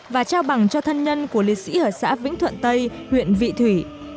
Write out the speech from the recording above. và trao bằng cho thân nhân của liệt sĩ ở xã vĩnh thuận tây huyện vị thủy